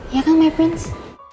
ya kan my prince